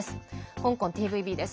香港ＴＶＢです。